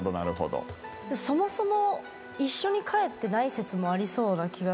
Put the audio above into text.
そもそも一緒に帰ってない説もありそうな気がするんですよね。